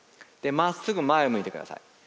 まっすぐ前を向いてください。